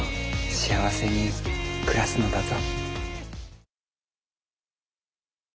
幸せに暮らすのだぞ。